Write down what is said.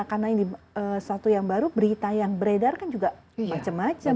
karena ini satu yang baru berita yang beredar kan juga macam macam